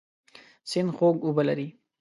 سیند خوږ اوبه لري.